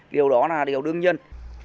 điều đó là điều đương nhiên